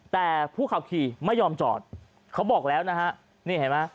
แต่ผู้ขับขี่ไม่ยอมจอดเขาบอกแล้วนะฮะนี่เห็นไหม